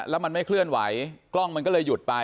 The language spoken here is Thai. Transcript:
แล้วมันไม่เคลื่อนไหวกล้องมันก็เลยหยุดไป